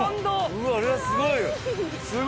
うわっあれはすごいよ！